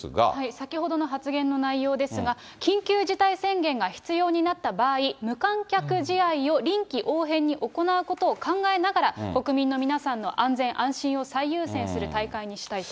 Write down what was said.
先ほどの発言の内容ですが、緊急事態宣言が必要になった場合、無観客試合を臨機応変に行うことを考えながら、国民の皆さんの安全・安心を最優先する大会にしたいと。